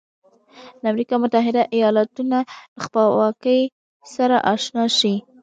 د امریکا متحده ایالتونو له خپلواکۍ سره آشنا شئ.